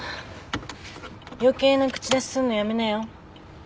余計な口出しすんのやめなよ。